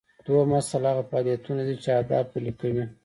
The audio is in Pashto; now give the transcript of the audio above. دوهم اصل هغه فعالیتونه دي چې اهداف پلي کوي.